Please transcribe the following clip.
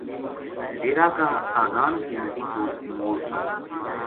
ڈیرا کاگان کی ندی پو موڑ آنیا